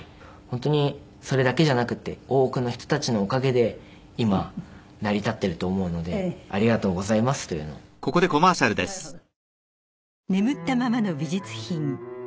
本当にそれだけじゃなくて多くの人たちのおかげで今成り立ってると思うのでありがとうございますというのを伝えたいですね。